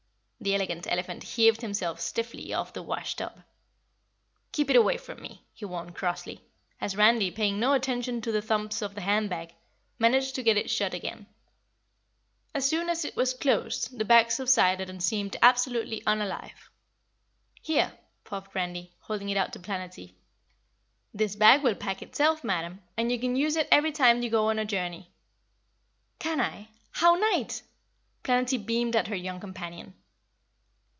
The Elegant Elephant heaved himself stiffly off the wash tub. "Keep it away from me!" he warned crossly, as Randy, paying no attention to the thumps of the hand bag, managed to get it shut again. As soon as it was closed the bag subsided and seemed absolutely unalive. "Here!" puffed Randy, holding it out to Planetty. "This bag will pack itself, madam, and you can use it every time you go on a journey." "Can I? How nite!" Planetty beamed at her young companion.